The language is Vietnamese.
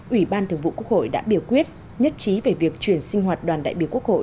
ủy ban thường vụ quốc hội đã biểu quyết nhất trí về việc chuyển sinh hoạt đoàn đại biểu quốc hội